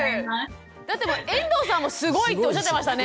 だって遠藤さんもすごいっておっしゃってましたね。